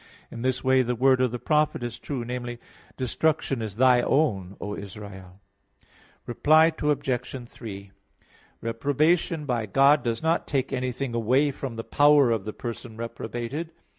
In this way, the word of the prophet is true namely, "Destruction is thy own, O Israel." Reply Obj. 3: Reprobation by God does not take anything away from the power of the person reprobated.